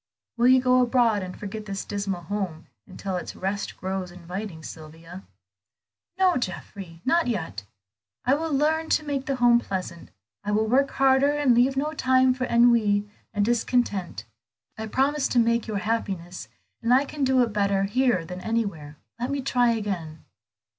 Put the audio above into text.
Will you go abroad, and forget this dismal home until its rest grows inviting, Sylvia?" "No, Geoffrey, not yet. I will learn to make the home pleasant, I will work harder, and leave no time for ennui and discontent. I promised to make your happiness, and I can do it better here than anywhere. Let me try again."